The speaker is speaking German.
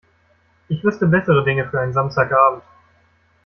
Ich wüsste bessere Dinge für einen Samstagabend.